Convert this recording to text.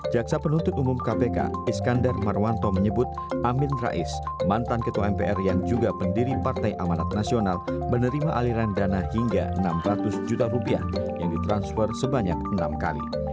jaksa penuntut umum kpk iskandar marwanto menyebut amin rais mantan ketua mpr yang juga pendiri partai amanat nasional menerima aliran dana hingga enam ratus juta rupiah yang ditransfer sebanyak enam kali